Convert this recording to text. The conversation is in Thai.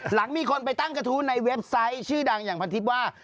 หลังมีคนไปตั้งกระทู้ในเว็บไซต์ชื่อดังอย่างพันทิศว่า